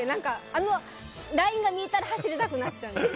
あのラインが見えたら走りたくなっちゃうんです。